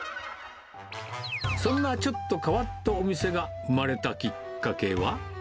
そんなちょっと変わったお店が生まれたきっかけは。